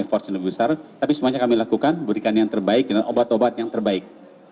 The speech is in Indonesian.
kita berusaha effort lebih besar tapi semuanya kami lakukan berikan yang terbaik obat obat yang terbaik